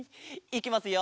いきますよ。